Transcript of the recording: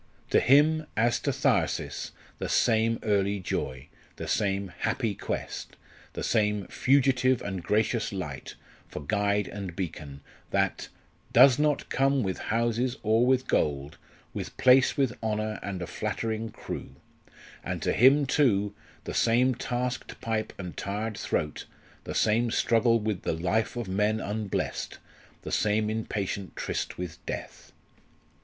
To him, as to Thyrsis, the same early joy, the same "happy quest," the same "fugitive and gracious light" for guide and beacon, that does not come with houses or with gold, With place, with honour and a flattering crew; and to him, too, the same tasked pipe and tired throat, the same struggle with the "life of men unblest," the same impatient tryst with death.